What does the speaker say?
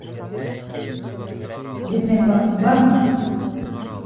Беҙҙең ваҡыт бармы?